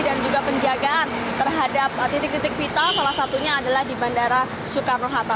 juga penjagaan terhadap titik titik vital salah satunya adalah di bandara soekarno hatta